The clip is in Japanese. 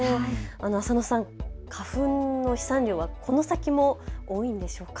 浅野さん、花粉の飛散量はこの先も多いんでしょうか。